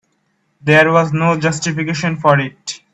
There was no justification for it.